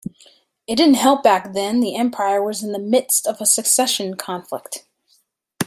It didn't help that back then the empire was in the midst of a succession conflict.